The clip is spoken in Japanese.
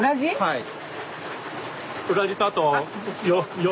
・はい。